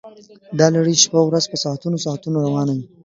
دا لړۍ شپه ورځ په ساعتونو ساعتونو روانه وي